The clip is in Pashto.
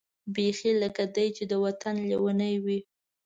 بېخي لکه دای چې د وطن لېونۍ وي.